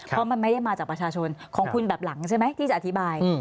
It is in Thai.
เพราะมันไม่ได้มาจากประชาชนของคุณแบบหลังใช่ไหมที่จะอธิบาย